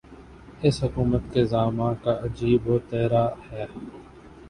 اس حکومت کے زعما کا عجیب وتیرہ ہے۔